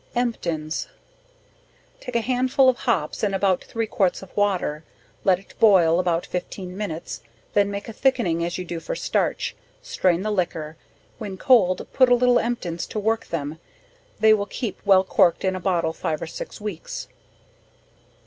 Emptins. Take a handful of hops and about three quarts of water, let it boil about fifteen minutes, then make a thickening as you do for starch, strain the liquor, when cold put a little emptins to work them, they will keep well cork'd in a bottle five or six weeks.